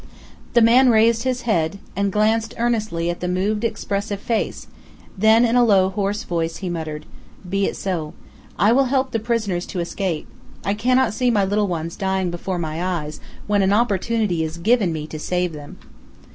The man raised his head, and glanced earnestly at the moved expressive face, then in a low, hoarse voice he muttered: "Be it so. I will help the prisoners to escape. I cannot see my little ones dying before my eyes, when an opportunity is given me to save them."